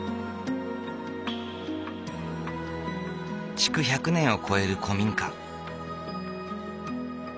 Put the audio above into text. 築１００年を超える古民家。